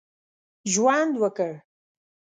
ژوند وکړ.